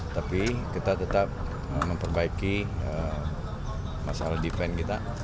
tapi kita tetap memperbaiki masalah defense kita